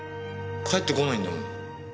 返ってこないんだもん。